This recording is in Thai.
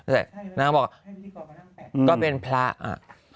แล้วนางก็บอกก็เป็นพระอ่ะ